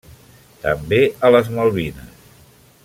També a les Malvines.